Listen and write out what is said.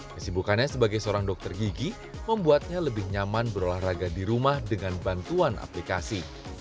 kesibukannya sebagai seorang dokter gigi membuatnya lebih nyaman berolahraga di rumah dengan bantuan aplikasi